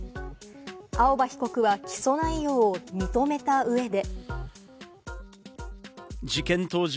青葉被告は起訴内容を認めた上で。